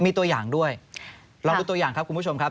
มีตัวอย่างด้วยลองดูตัวอย่างครับคุณผู้ชมครับ